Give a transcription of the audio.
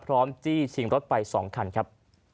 พร้อมจี้ชิงรถไปสองคันครับ